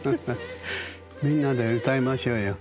みんなで歌いましょうよ。